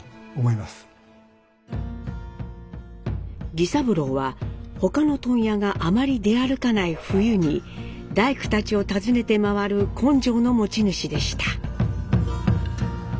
儀三郎は他の問屋があまり出歩かない冬に大工たちを訪ねて回る根性の持ち主でした。